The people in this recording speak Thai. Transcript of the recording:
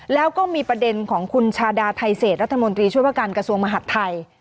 แล้วก็มีประเด็นของคุณชาดาไทเศษรัฐมนตรีช่วยว่าการกระทรวงมหัฐไทย